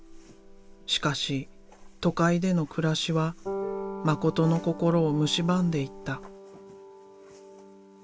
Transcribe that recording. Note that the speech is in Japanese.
しかし都会での暮らしは誠の心をむしばんでいった。